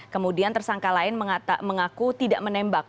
kemudian tersangka lain mengaku tidak menembak